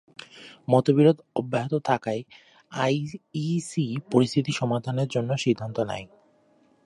মতবিরোধ অব্যাহত থাকায়, আই ই সি পরিস্থিতি সমাধানের জন্য সিদ্ধান্ত নেয়।